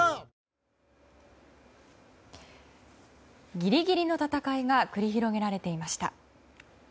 ギリギリの戦いが繰り広げられていました。